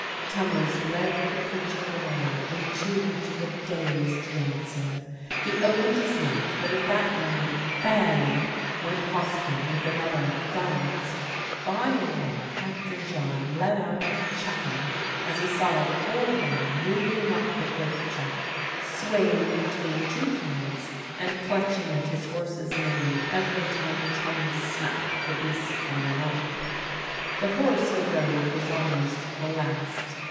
Tummels led the preacher away in too much of a daze to answer. He opened his mouth, but at that moment bang! went Hosking with another of the guns. By and by Captain John let out a chuckle as he saw the poor man moving up the cliff track, swaying between two kegs and clutching at his horse's mane every time Tummels smacked the beast on the rump. The horse he rode was almost the last.